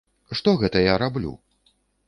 Што гэта я раблю?